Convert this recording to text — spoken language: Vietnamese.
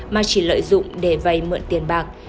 mà chỉ lợi dụng để vay mượn tiền bạc